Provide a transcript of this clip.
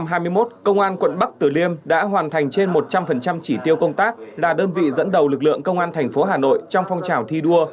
năm hai nghìn hai mươi một công an quận bắc tử liêm đã hoàn thành trên một trăm linh chỉ tiêu công tác là đơn vị dẫn đầu lực lượng công an thành phố hà nội trong phong trào thi đua